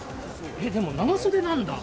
でも長袖なんだ。